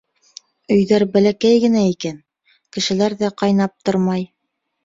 Өйҙәр бәләкәй генә икән, кешеләр ҙә ҡайнап тормай.